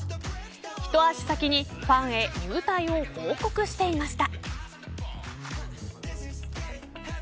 ひと足先にファンへ入隊を報告していました。